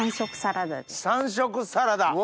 ３色サラダ。